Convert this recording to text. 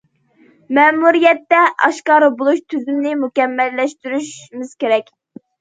مەمۇرىيەتتە ئاشكارا بولۇش تۈزۈمىنى مۇكەممەللەشتۈرۈشىمىز كېرەك.